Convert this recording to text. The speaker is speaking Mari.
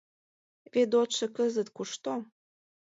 Ведотшо кызыт кушто?